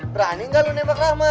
berani gak lo nebak rahmat